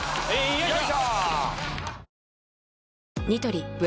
よいしょ！